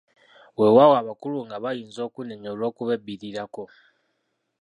Weewaawo abakulu nga bayinza okunnenya olw'okubebbirirako.